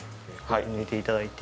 寝ていただいて。